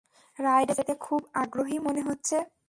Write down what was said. রাইডে যেতে খুব আগ্রহী মনে হচ্ছে।